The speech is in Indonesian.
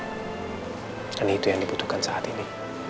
dan itu yang dibutuhkan saat ini